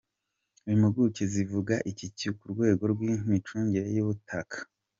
Impuguke zivuga iki ku rwego rw’imicungire y’ubutaka?.